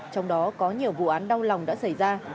trong đó có nhiều vụ án đau lòng đã xảy ra